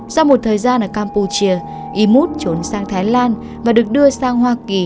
sau một thời gian ở campuchia imut trốn sang thái lan và được đưa sang hoa kỳ